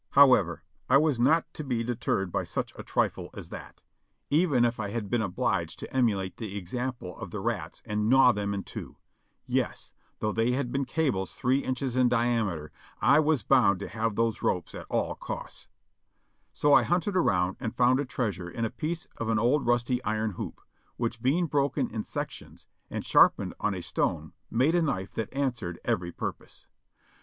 However, I was not to be deterred by such a trifle as that, 4/2 JOHNNY REB AND BILLY YANK even if I had been obliged to emulate the example of the rats and gnaw them in two — yes, though they had been cables three inches in diameter I was bound to have those ropes at all costs; so I hunted around and found a treasure in a piece of an old rusty iron hoop, which being broken in sections and sharpened on a stone made a knife that answered every purpose.